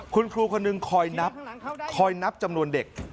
คุณครูคนหนึ่งคอยนับจำนวนเด็ก